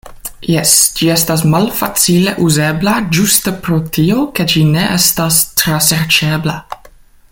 Jes, ĝi estas malfacile uzebla ĝuste pro tio ke ĝi ne estas traserĉebla.